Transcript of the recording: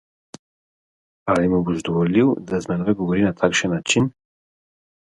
Ali mu boš dovolil, da z menoj govori na takšen način?